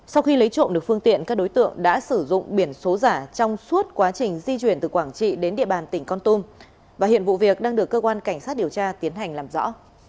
sau khi lấy trộm được phương tiện các đối tượng đã sử dụng biển số giả trong suốt quá trình di chuyển từ quảng trị đến địa bàn tỉnh con tum và hiện vụ việc đang được cơ quan cảnh sát điều tra tiến hành làm rõ